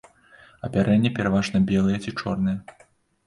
Апярэнне пераважна белае ці чорнае.